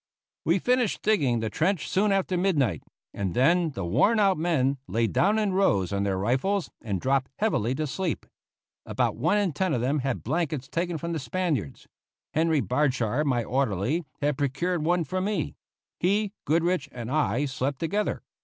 We finished digging the trench soon after midnight, and then the worn out men laid down in rows on their rifles and dropped heavily to sleep. About one in ten of them had blankets taken from the Spaniards. Henry Bardshar, my orderly, had procured one for me. He, Goodrich, and I slept together.